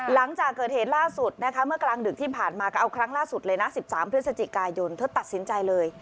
หลังจากเกิดเหตุล่าสุดนะคะเมื่อกลางดึกที่ผ่านมาก็เอาครั้งล่าสุดเลยนะ๑๓พฤศจิกายนเธอตัดสินใจเลย